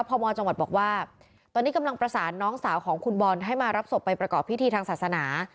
พมจังหวัดบอกว่าตอนนี้กำลังประสานน้องสาวของคุณบอลให้มารับศพไปประกอบพิธีทางศาสนา